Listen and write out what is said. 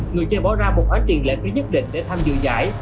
người chơi bỏ ra một khoản tiền lệ phí nhất định để tham dự giải